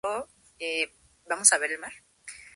Poseen un grupo de aficionados conocidos como los Ultras Kaya.